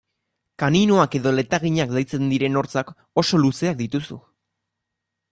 Kaninoak edo letaginak deitzen diren hortzak oso luzeak dituzu.